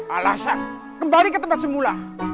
alasan kembali ke tempat semula